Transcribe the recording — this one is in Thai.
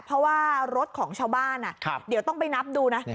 เพราะว่ารถของชาวบ้านเดี๋ยวต้องไปนับดูนะ